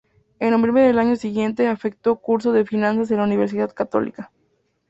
En noviembre del año siguiente efectuó curso de finanzas en la Universidad Católica.